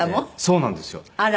そうなんですよ。